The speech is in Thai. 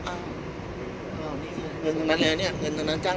พี่อัดมาสองวันไม่มีใครรู้หรอก